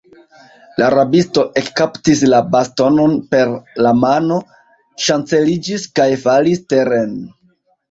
La rabisto ekkaptis la bastonon per la mano, ŝanceliĝis kaj falis teren.